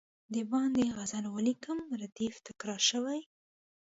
د باندي غزل ولیکم ردیف تکرار شوی.